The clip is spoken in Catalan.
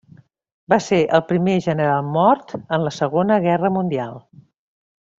Va ser el primer general mort en la Segona Guerra Mundial.